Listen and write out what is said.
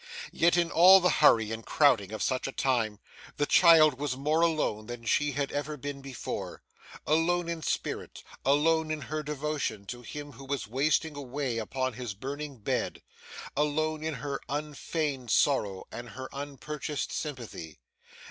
Yet, in all the hurry and crowding of such a time, the child was more alone than she had ever been before; alone in spirit, alone in her devotion to him who was wasting away upon his burning bed; alone in her unfeigned sorrow, and her unpurchased sympathy.